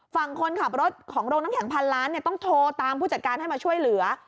ฝั่งคนขับรถของโรงน้ำแข็งพันล้านต้องโทรตามผู้จัดการให้มาช่วยเหลือ